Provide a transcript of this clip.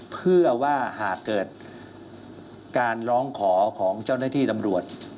เพื่อว่าหากเกิดการร้องขอของเจ้าหน้าที่ตำรวจ